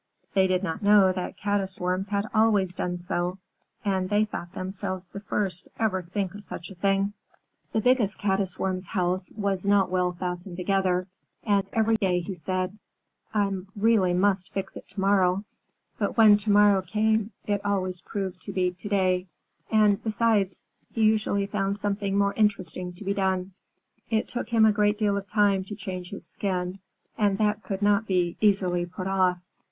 They did not know that Caddis Worms had always done so, and they thought themselves the first to ever think of such a thing. The Biggest Caddis Worm's house was not well fastened together, and every day he said, "I really must fix it to morrow." But when to morrow came, it always proved to be to day, and, besides, he usually found something more interesting to be done. It took him a great deal of time to change his skin, and that could not be easily put off.